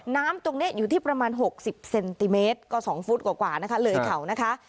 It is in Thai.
น้ำตรงนี้อยู่ที่ประมาณ๖๐เซนติเมตรก็๒ฟุตกว่านะคะเลยเขานะคะ